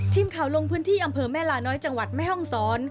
ทีมข่าวลงพื้นที่อำเภอแม่ลาน้อยจังหวัดแม่ห้องศร